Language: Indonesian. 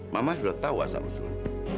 mama sudah tahu asal usul